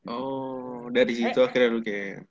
oh dari situ akhirnya lu gm